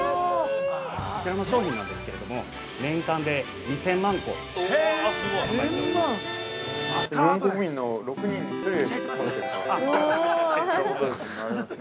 こちらの商品なんですれども年間で２０００万個販売しております。